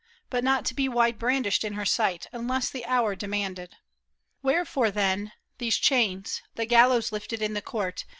But not to be wide brandished in her sight Unless the hour demanded. Wherefore then These chains, the gallows lifted in the court.